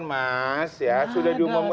sudah diumumkan kenaikan mas